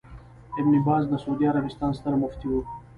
ابن باز د سعودي عربستان ستر مفتي وو